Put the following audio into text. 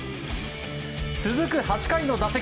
続く８回の打席。